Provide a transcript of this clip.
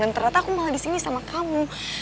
dan ternyata aku malah di sini sama kamu